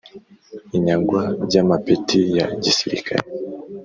Inyagwa ry’ amapeti ya gisirikare